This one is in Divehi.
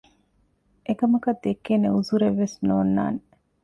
އެކަމަކަށް ދެއްކޭނޭ ޢުޛުރެއް ވެސް ނޯންނާނެ